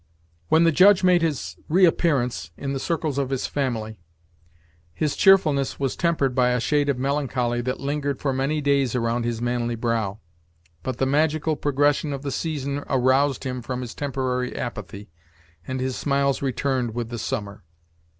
When the Judge made his reappearance in the circles of his family, his cheerfulness was tempered by a shade of melancholy that lingered for many days around his manly brow; but the magical progression of the season aroused him from his temporary apathy, and his smiles returned with the summer.